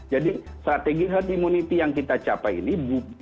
jadi strategi health immunity yang kita capai ini